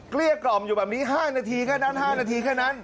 เกลี้ยกล่อมอยู่แบบนี้๕นาทีแค่นั้น